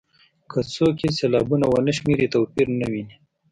که څوک یې سېلابونه ونه شمېري توپیر نه ویني.